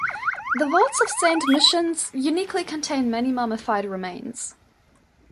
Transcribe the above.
The vaults of Saint Michan's uniquely contain many mummified remains.